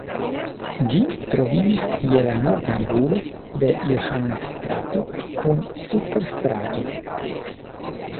Ĝi troviĝis je la norda angulo de Johannes-strato kun Futter-strato.